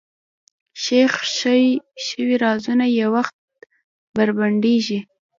ښخ شوي رازونه یو وخت بربنډېږي.